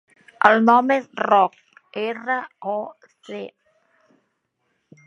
El nom és Roc: erra, o, ce.